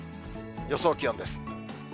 予想気温です。